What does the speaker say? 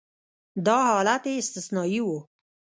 دا حالت یې استثنایي و.